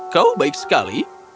kau baik sekali